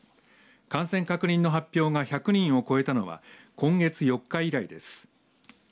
感染確認の発表が１００人を超えたのは今月４日以来です。